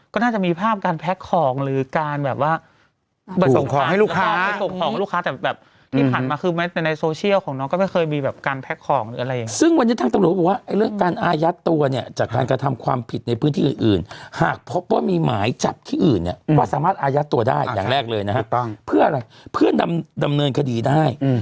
ก็น่าจะมีภาพการแพ็กของหรือการแบบว่า